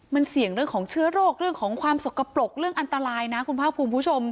มันเสี่ยงเรื่องของเชื้อโรคเรื่องของความสกปรกเรื่องอันตรายนะคุณภาคภูมิคุณผู้ชม